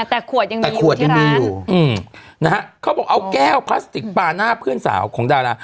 แต่ขวดยังมีแต่ขวดยังมีอยู่อืมนะฮะเขาบอกเอาแก้วพลาสติกปลาหน้าเพื่อนสาวของดารา